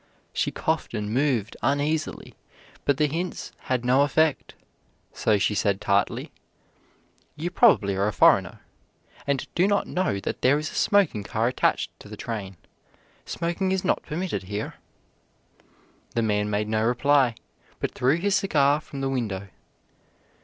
She coughed and moved uneasily; but the hints had no effect, so she said tartly: "You probably are a foreigner, and do not know that there is a smoking car attached to the train. Smoking is not permitted here." The man made no reply, but threw his cigar from the window.